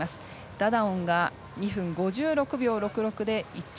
ダダオンが２分５６秒６６で１着。